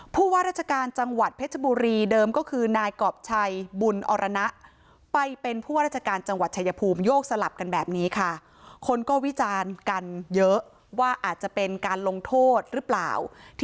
ผู้ว่าราชการจังหวัดเพชรบุรีเดิมก็คือนายกรอบชัยบุญอรณะไปเป็นผู้ว่าราชการจังหวัดชายภูมิโยกสลับกันแบบนี้ค่ะ